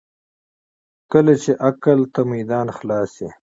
کله چې عقل ته میدان خلاص شي.